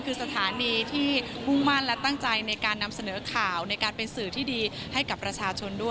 คือสถานีที่มุ่งมั่นและตั้งใจในการนำเสนอข่าว